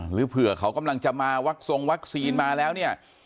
หรือเผื่อเขากำลังจะมาวักทรงวัคซีนมาแล้วเนี่ย